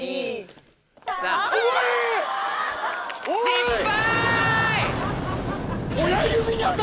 失敗！